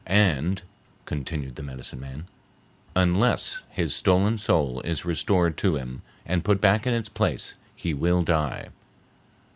And," continued the medicine man, "unless his stolen soul is restored to him and put back in its place he will die.